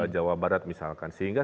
jawa barat misalkan sehingga